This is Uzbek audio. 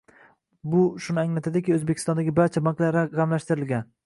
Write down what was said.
Bu shuni anglatadiki, O'zbekistondagi barcha banklar raqamlashtirilgan